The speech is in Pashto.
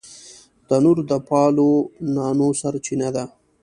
تنور د پالو نانو سرچینه ده